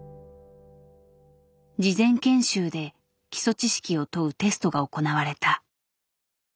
事前研修で基礎知識を問うテストが行われた。